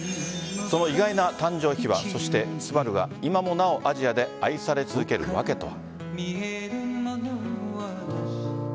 その意外な誕生秘話そして「昴」が今もなおアジアで愛され続ける訳とは。